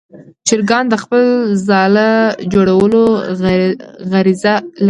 چرګان د خپل ځاله جوړولو غریزه لري.